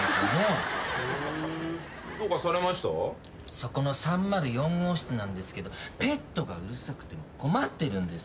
そこの３０４号室なんですけどペットがうるさくて困ってるんです。